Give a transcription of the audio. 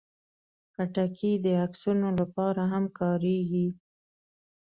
خټکی د عکسونو لپاره هم کارېږي.